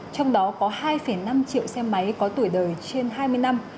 trong đó có hai năm triệu xe máy có tuổi đời trên hai mươi năm